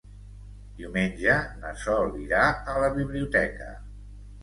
Diumenge na Sol irà a la biblioteca.